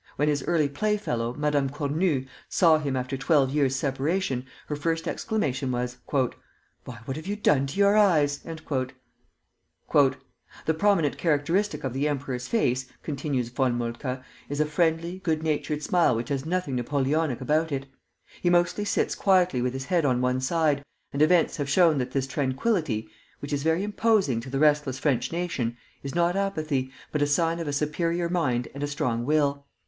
When his early playfellow, Madame Cornu, saw him after twelve years' separation, her first exclamation was: "Why! what have you done to your eyes?" "The prominent characteristic of the emperor's face," continues Von Moltke, "is a friendly, good natured smile which has nothing Napoleonic about it. He mostly sits quietly with his head on one side, and events have shown that this tranquillity, which is very imposing to the restless French nation, is not apathy, but a sign of a superior mind and a strong will.